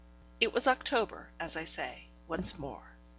It was October, as I say, once more.